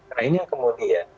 nah ini yang kemuria